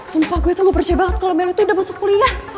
sumpah gue tuh gak percaya banget kalo mel itu udah masuk kuliah